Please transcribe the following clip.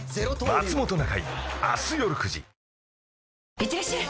いってらっしゃい！